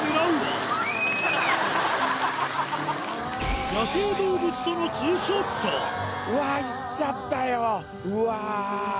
うわぁ行っちゃったようわぁ！